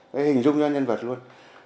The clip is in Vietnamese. thế hình dung cho nhân vật luôn